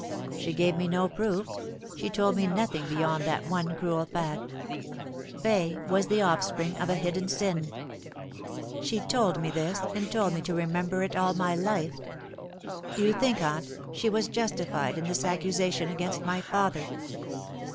She gave me no proof she told me nothing beyond that one cruel fact. Fay was the offspring of hidden sin. She told me this, and told me No Light. 167 to remember it all my life. Do you think, aunt, she was justified in this accusation against my father